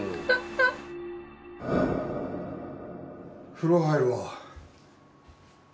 風呂入るわ。